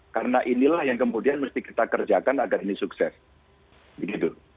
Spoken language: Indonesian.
karena inilah yang kemudian mesti kita kerjakan agar ini sukses begitu